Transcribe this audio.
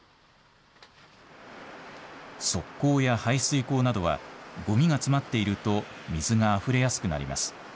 側溝や排水溝などはごみが詰まっていると水があふれやすくなります。